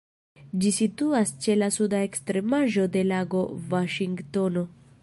Ĝi situas ĉe la suda ekstremaĵo de Lago Vaŝingtono.